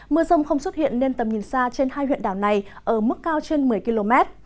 mưa rông không xuất hiện nên tầm nhìn xa trên hai huyện đảo này ở mức cao trên một mươi km